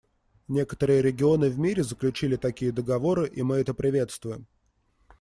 Некоторые регионы в мире заключили такие договоры, и мы это приветствуем.